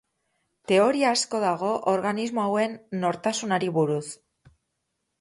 Teoria asko dago organismo hauen nortasunari buruz.